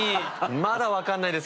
まだ分かんないですけど。